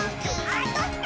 あ、どした！